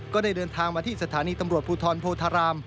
ก็ได้เดินทางมาที่สถานีตำรวจภูทรโพธาราม